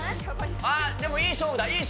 あっ、でもいい勝負だ。